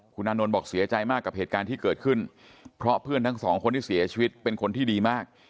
คุณอานนท์บอกเสียใจมากกับเหตุการณ์ที่เกิดขึ้นเพราะเพื่อนทั้งสองคนที่เสียชีวิตเป็นคนที่ดีมาก